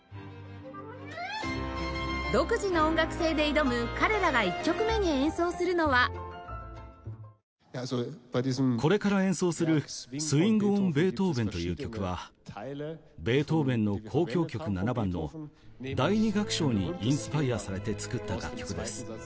独自の音楽性で挑む彼らがこれから演奏する『スウィング・オン・ベートーヴェン』という曲はベートーヴェンの『交響曲７番』の第２楽章にインスパイアされて作った楽曲です。